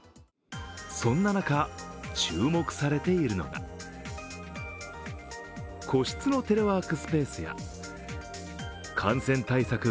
そんな中、注目されているのが個室のテレワークスペースや感染対策